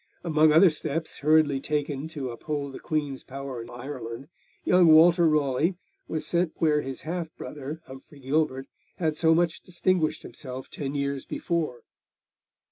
Among other steps hurriedly taken to uphold the Queen's power in Ireland, young Walter Raleigh was sent where his half brother, Humphrey Gilbert, had so much distinguished himself ten years before.